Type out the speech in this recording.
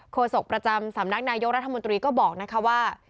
โศกประจำสำนักนายกรัฐมนตรีก็บอกนะคะว่า